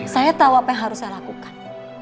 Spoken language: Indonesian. saya tahu apa yang harus saya lakukan